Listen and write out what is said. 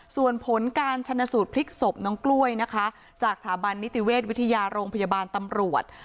ส่วนผลการชนสูตรพลิกศพน้องกล้วยนะคะจากสถาบันนิติเวชวิทยาโรงพยาบาลตำรวจ